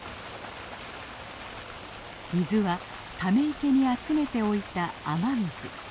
水はため池に集めておいた雨水。